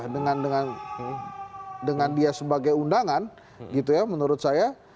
dengan dia sebagai undangan gitu ya menurut saya